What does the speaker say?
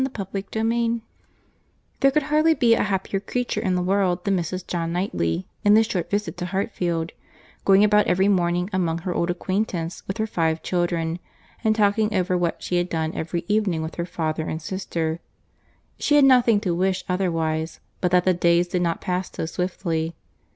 CHAPTER XIII There could hardly be a happier creature in the world than Mrs. John Knightley, in this short visit to Hartfield, going about every morning among her old acquaintance with her five children, and talking over what she had done every evening with her father and sister. She had nothing to wish otherwise, but that the days did not pass so swiftly.